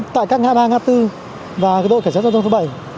tại các ngã ba ngã tư và đội cảnh sát giao thông thứ bảy